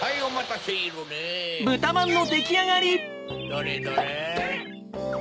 どれどれ？